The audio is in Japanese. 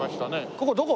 ここどこ？